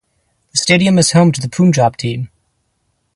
The stadium is home to the Punjab team.